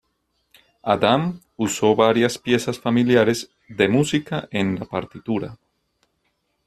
Adam usó varias piezas familiares de música en la partitura.